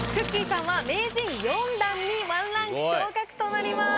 さんは名人４段に１ランク昇格となります。